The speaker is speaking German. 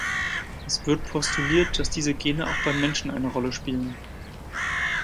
Es wird postuliert, dass diese Gene auch beim Menschen eine Rolle spielen.